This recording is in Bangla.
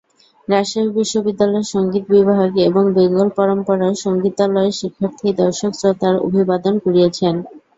রাজশাহী বিশ্ববিদ্যালয়ের সংগীত বিভাগ এবং বেঙ্গল পরম্পরা সংগীতালয়ের শিক্ষার্থীরা দর্শক-শ্রোতার অভিবাদন কুড়িয়েছে।